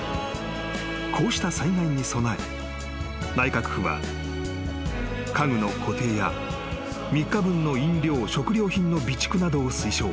［こうした災害に備え内閣府は家具の固定や３日分の飲料食料品の備蓄などを推奨］